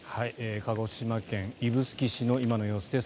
鹿児島県指宿市の今の様子です。